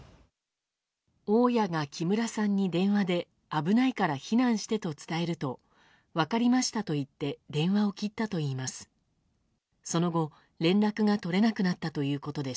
大家が木村さんに電話で危ないから避難してと伝えると分かりましたと言って電話を切ったといいます。